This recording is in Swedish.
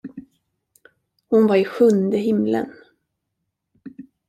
Hon var i sjunde himlen.